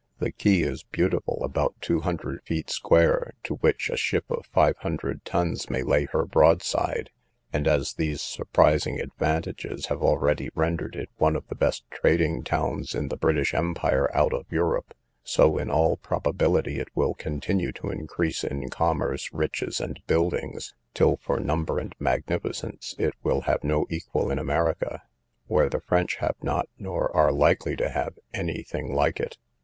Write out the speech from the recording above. The quay is beautiful, about two hundred feet square, to which a ship of five hundred tons may lay her broadside; and, as these surprising advantages have already rendered it one of the best trading towns in the British empire out of Europe, so in all probability it will continue to increase in commerce, riches, and buildings, till for number and magnificence it will have no equal in America; where the French have not, nor are likely to have, any thing like it.